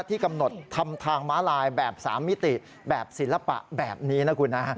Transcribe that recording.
ที่กำหนดทำทางม้าลายแบบ๓มิติแบบศิลปะแบบนี้นะคุณนะ